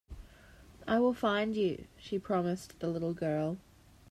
"I will find you.", she promised the little girl.